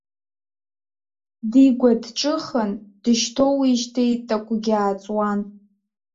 Дигәа дҿыхан, дышьҭоуижьҭеи такәгьы ааҵуан.